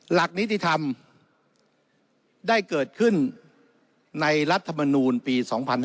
หลักนิติธรรมได้เกิดขึ้นในรัฐมนูลปี๒๕๕๙